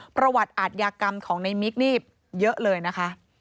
ประวัติอาทยากรรมของในมิกนี่เยอะเลยนะคะ